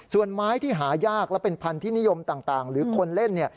ส่วนไม้ที่หายากและเป็นพันธุ์นิยมต่างหรือคนเล่นเนี่ย